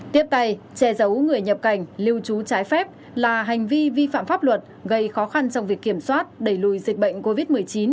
tiếp tay che giấu người nhập cảnh lưu trú trái phép là hành vi vi phạm pháp luật gây khó khăn trong việc kiểm soát đẩy lùi dịch bệnh covid một mươi chín